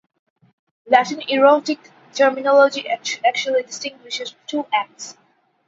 Latin erotic terminology actually distinguishes two acts.